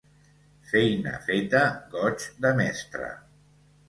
Feina feta, goig de mestre.